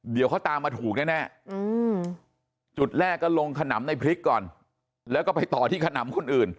เดี๋ยวเขาตามมาถูกแน่จุดแรกก็ลงขนำในพริกก่อนแล้วก็ไปต่อที่ขนำคนอื่น